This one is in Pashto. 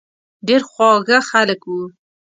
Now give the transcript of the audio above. ډېر خواږه خلک وو.